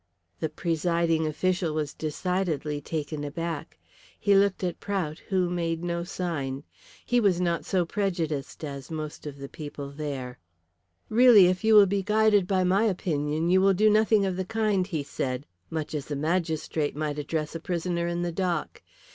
The presiding official was decidedly taken aback. He looked at Prout, who made no sign. He was not so prejudiced as most of the people there. "Really if you will be guided by my opinion you will do nothing of the kind," he said, much as a magistrate might address a prisoner in the dock.